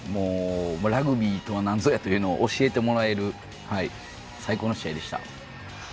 ラグビーとはなんぞやというのを教えてもらえる最高の試合でした。